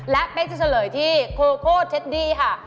และเป๊กจะเฉลยที่โคโก้เทดดี้ค่ะ